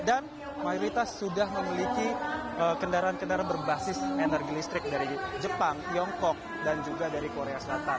dan mayoritas sudah memiliki kendaraan kendaraan berbasis energi listrik dari jepang tiongkok dan juga dari korea selatan